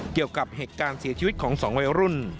เกี่ยวกับเหตุการณ์เสียชีวิตของ๒วัยรุ่น